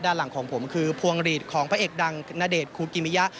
ด้านหลังของผมคือพวงหลีดของพระเอกดังณเดชน์คูกิมิยะ